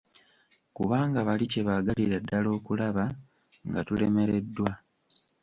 Kubanga bali kye baagalira ddala okulaba nga tulemereddwa.